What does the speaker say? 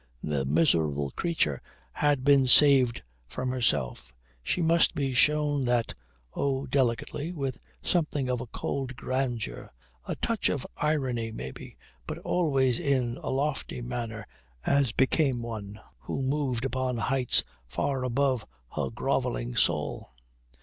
The miserable creature had been saved from herself. She must be shown that oh delicately, with something of a cold grandeur, a touch of irony maybe, but always in a lofty manner as became one who moved upon heights far above her grovelling soul.